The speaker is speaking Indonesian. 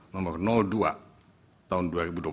nomor dua tahun dua ribu dua puluh